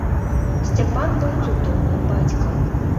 Сцяпан быў цудоўным бацькам.